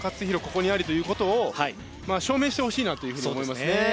ここにありということを証明してほしいなと思いますね。